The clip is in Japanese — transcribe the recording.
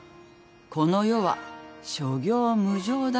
この世は諸行無常だ。